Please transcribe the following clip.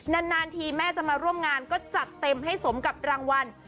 นานทีแม่จะมาร่วมงานก็จัดเต็มให้สมกับรางวัล